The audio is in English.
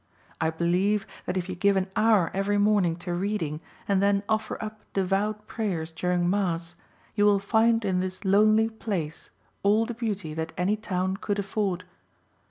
I believe that if you give an hour every morning to reading and then offer up devout prayers during mass, you will find in this lonely place all the beauty that any town could afford.